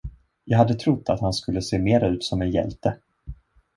Jag hade trott att han skulle se mera ut som en hjälte.